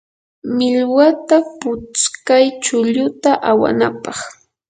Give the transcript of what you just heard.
millwata putskay chulluta awanapaq.